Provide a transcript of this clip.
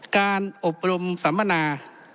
การอบรมสัมมนา